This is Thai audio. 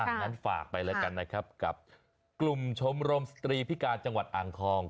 งั้นฝากไปแล้วกันนะครับกับกลุ่มชมรมสตรีพิการจังหวัดอ่างทอง